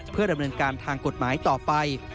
เพื่อดำเนินการทางกฎหมายต่อไป